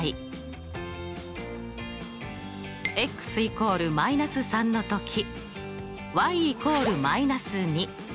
＝−３のとき＝−２。